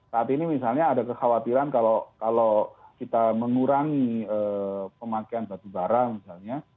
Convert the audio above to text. saat ini misalnya ada kekhawatiran kalau kita mengurangi pemakaian batu bara misalnya